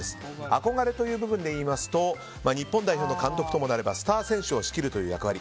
憧れという部分で言いますと日本代表の監督ともなればスター選手を仕切るという役割。